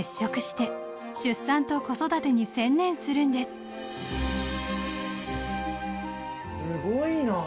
すごいな。